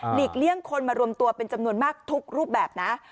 เลี่ยงคนมารวมตัวเป็นจำนวนมากทุกรูปแบบนะ